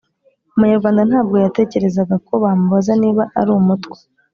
umunyarwanda ntabwo yatekerezaga ko bamubaza niba ari Umutwa,